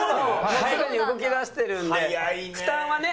もうすでに動き出してるんで負担はね